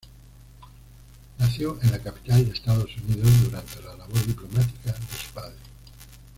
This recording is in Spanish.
Nació en la capital de Estados Unidos durante la labor diplomática de su padre.